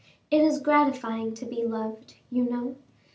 It is gratifying to be loved, you know.